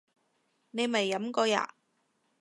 你未飲過呀？